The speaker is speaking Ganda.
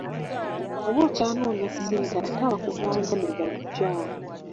Oba okyanoonya ssente ate abakubanja ne bajja.